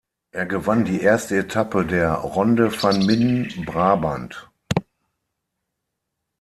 Er gewann die erste Etappe der „Ronde van Midden-Brabant“.